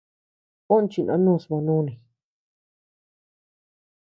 Juó chindonus bö nuni.